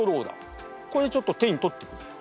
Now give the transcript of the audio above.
これちょっと手に取ってみて。